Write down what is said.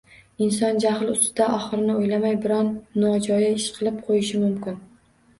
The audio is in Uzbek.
Inson jahl ustida oxirini o‘ylamay biron nojo‘ya ish qilib qo‘yishi mumkin.